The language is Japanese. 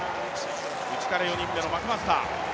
内から４人目のマクマスター。